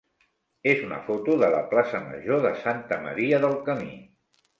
és una foto de la plaça major de Santa Maria del Camí.